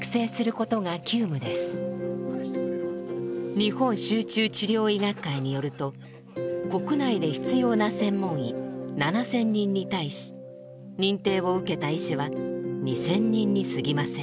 日本集中治療医学会によると国内で必要な専門医７，０００人に対し認定を受けた医師は２，０００人にすぎません。